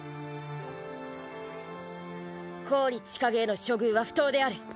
郡千景への処遇は不当である。